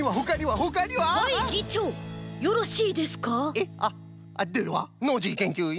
えっあっではノージーけんきゅういん。